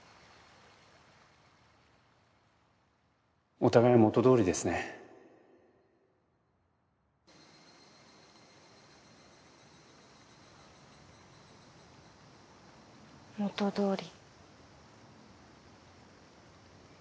お互い元どおりですね元どおり。